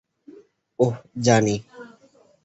ওহ, জানি।